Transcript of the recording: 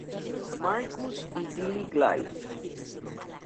Marcus y Billy Glide.